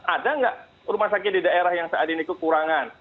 ada nggak rumah sakit di daerah yang saat ini kekurangan